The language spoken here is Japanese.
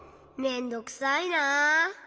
めんどくさいなあ。